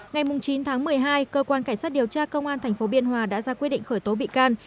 ngày chín tháng một mươi hai cơ quan cảnh sát điều tra công an tp biên hòa đã ra quyết định khởi tố bị can